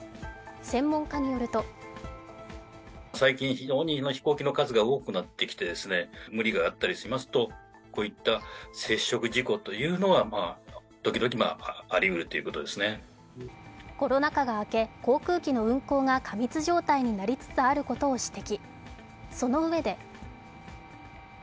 専門家によるとコロナ禍が明け、航空機の運航が過密状態になりつつあることを指摘。